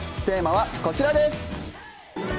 テーマは、こちらです。